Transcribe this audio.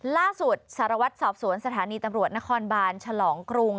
สารวัตรสอบสวนสถานีตำรวจนครบานฉลองกรุง